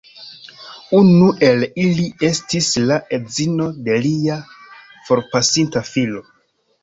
Unu el ili estis la edzino de lia forpasinta filo.